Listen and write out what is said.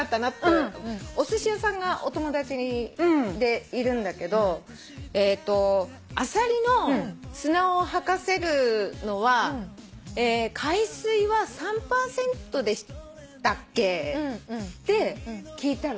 お寿司屋さんがお友達にいるんだけど「アサリの砂を吐かせるのは海水は３％でしたっけ？」って聞いたら。